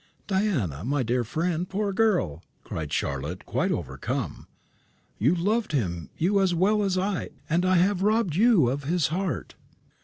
"Diana, my dear friend, my poor girl!" cried Charlotte, quite overcome, "you loved him, you as well as I and I have robbed you of his heart!"